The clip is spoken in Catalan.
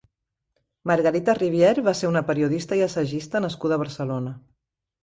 Margarita Rivière va ser una periodista i assagista nascuda a Barcelona.